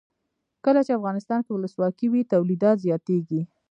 کله چې افغانستان کې ولسواکي وي تولیدات زیاتیږي.